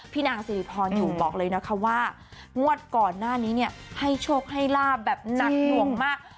นางสิริพรอยู่บอกเลยนะคะว่างวดก่อนหน้านี้เนี่ยให้โชคให้ลาบแบบหนักหน่วงมาก